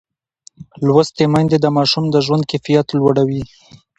لوستې میندې د ماشوم د ژوند کیفیت لوړوي.